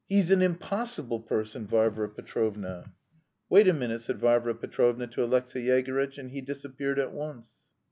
he's an impossible person, Varvara Petrovna!" "Wait a moment," said Varvara Petrovna to Alexey Yegorytch, and he disappeared at once.